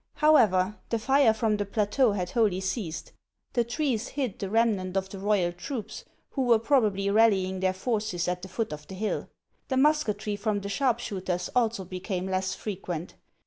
However, the fire from the plateau had wholly ceased ; the trees hid the remnant of the royal troops, who were probably rallying their forces at the foot of the hill. The musketry from the sharpshooters also became less frequent.